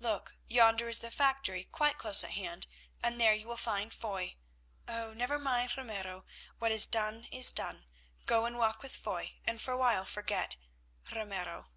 Look, yonder is the factory, quite close at hand, and there you will find Foy. Oh! never mind Ramiro. What is done is done. Go and walk with Foy, and for a while forget—Ramiro."